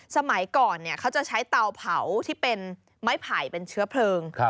สมัยก่อนเขาจะใช้เตาเผาที่เป็นไม้ไผ่เป็นเชื้อเพลิง